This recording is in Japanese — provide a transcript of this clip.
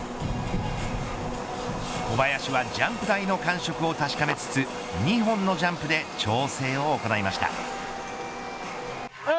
小林はジャンプ台の感触を確かめつつ２本のジャンプで調整を行いました。